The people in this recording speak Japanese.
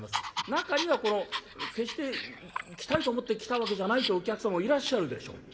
中にはこの決して来たいと思って来たわけじゃないってお客様もいらっしゃるでしょう。